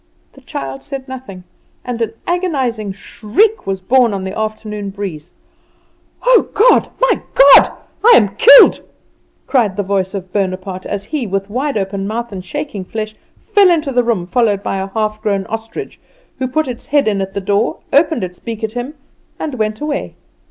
The child said nothing, and an agonizing shriek was borne on the afternoon breeze. "Oh, God! my God! I am killed!" cried the voice of Bonaparte, as he, with wide open mouth and shaking flesh, fell into the room, followed by a half grown ostrich, who put its head in at the door, opened its beak at him, and went away.